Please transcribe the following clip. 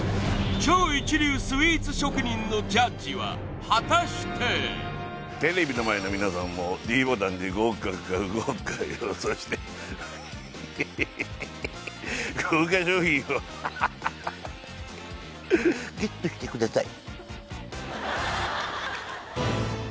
超一流スイーツ職人のジャッジは果たしてテレビの前の皆さんもｄボタンで合格か不合格か予想してヘヘヘヘヘヘヘ豪華賞品をハハハハＧＥＴしてください